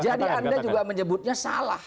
jadi anda juga menyebutnya salah